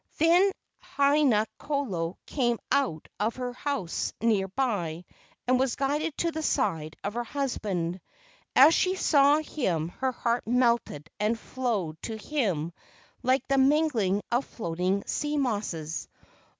Then Haina kolo came out of her house near by and was guided to the side of her husband. As she saw him her heart melted and flowed to him like the mingling of floating sea mosses.